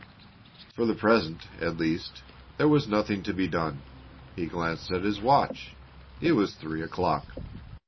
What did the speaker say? For the present, at least, there was nothing to be done. He glanced at his watch. It was three o'clock.